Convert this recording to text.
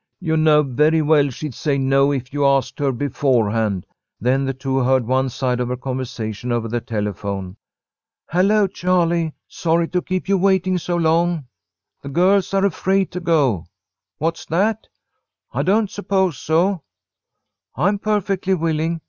"You know very well she'd say no if you asked her beforehand." Then the two heard one side of her conversation over the telephone. "Hello, Charlie! Sorry to keep you waiting so long." "The girls are afraid to go." "What's that?" "I don't suppose so." "I'm perfectly willing.